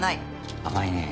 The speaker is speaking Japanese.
甘いね。